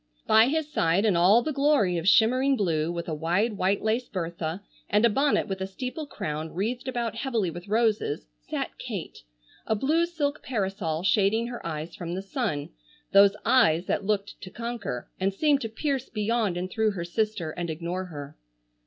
By his side in all the glory of shimmering blue with a wide white lace bertha and a bonnet with a steeple crown wreathed about heavily with roses sat Kate, a blue silk parasol shading her eyes from the sun, those eyes that looked to conquer, and seemed to pierce beyond and through her sister and ignore her.